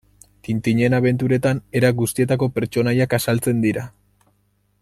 Tintinen abenturetan era guztietako pertsonaiak azaltzen dira.